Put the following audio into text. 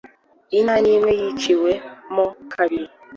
Inyanya imwe yaciwe mo kabiri